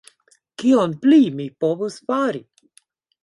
Kion pli mi povus fari?